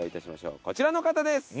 こちらの方です。